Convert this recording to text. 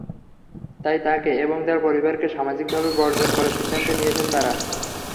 তাই তাঁকে এবং তাঁর পরিবারকে সামাজিকভাবে বর্জন করার সিদ্ধান্ত নিয়েছেন তাঁরা।